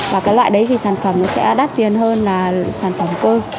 và cái loại đấy thì sản phẩm nó sẽ đắt tiền hơn là sản phẩm cơ